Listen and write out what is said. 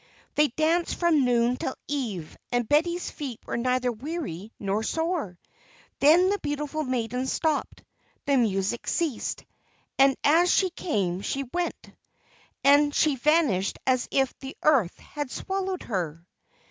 They danced from noon till eve, and Betty's feet were neither weary nor sore. Then the beautiful maiden stopped, the music ceased, and as she came, so she went, and she vanished as if the earth had swallowed her.